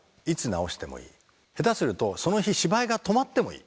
下手するとその日芝居が止まってもいい。